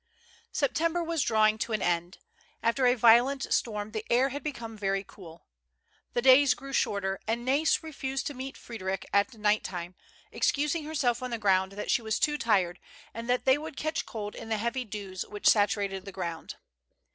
S EPTEMBER was drawing to an end. After a vio lent storm the air had become very cool. The days grew shorter, and Nai's refused to meet Frederic at night time, excusing herself on the ground that she was too tired, and that they would catch cold in the heavy dews which saturated the ground.